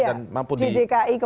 dan mampu disampaikan tidak